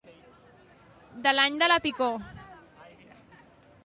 De l'any de la picor.